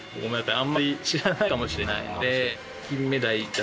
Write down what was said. あんまり知らないかもしれないので。